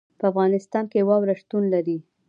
په افغانستان کې واوره شتون لري.